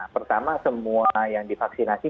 pertama semua yang divaksinasi